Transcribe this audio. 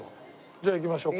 じゃあ行きましょうか。